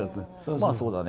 まあ、そうだね。